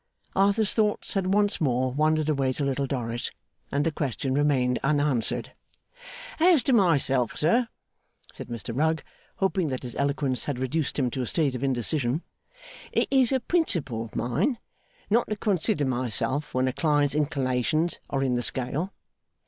Arthur's thoughts had once more wandered away to Little Dorrit, and the question remained unanswered. 'As to myself, sir,' said Mr Rugg, hoping that his eloquence had reduced him to a state of indecision, 'it is a principle of mine not to consider myself when a client's inclinations are in the scale.